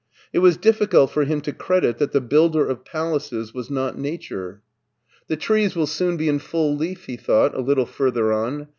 It was difficult for him to credit that the builder of palaces was not nature. BERLIN 215 " The trees will soon be in full leaf," he thought, a little further on.